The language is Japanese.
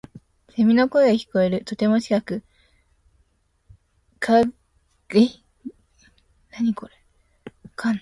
蝉の声が聞こえる。とても近く。生垣のどこかに潜んでいそうだった。間延びした鳴き声だった。